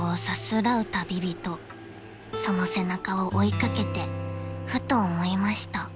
［その背中を追い掛けてふと思いました］